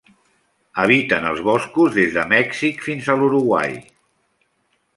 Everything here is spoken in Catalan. Habiten els boscos des de Mèxic fins a l'Uruguai.